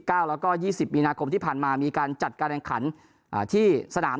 แล้วก็๒๐มีนาคมที่ผ่านมามีการจัดการแข่งขันที่สนาม